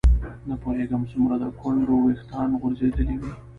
نه پوهېږم څومره د ګونډو ویښتان غورځېدلي وي.